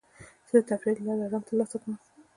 زه د تفریح له لارې ارام ترلاسه کوم.